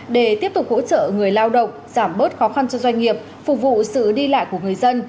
để tiếp tục hỗ trợ người lao động giảm bớt khó khăn cho doanh nghiệp phục vụ sự đi lại của người dân